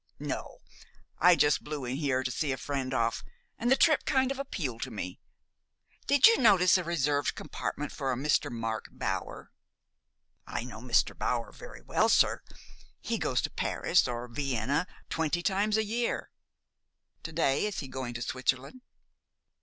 "No. I just blew in here to see a friend off, and the trip kind of appealed to me. Did you notice a reserved compartment for a Mr. Mark Bower?" "I know Mr. Bower very well, sir. He goes to Paris or Vienna twenty times a year." "To day he is going to Switzerland."